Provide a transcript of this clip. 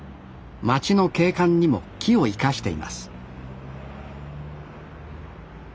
町の景観にも木を生かしています